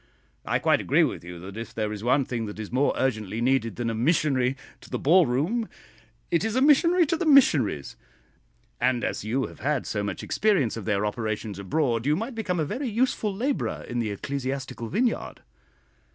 I quite agree with you that if there is one thing that is more urgently needed than a missionary to the ball room, it is a missionary to the missionaries; and as you have had so much experience of their operations abroad, you might become a very useful labourer in the ecclesiastical vineyard."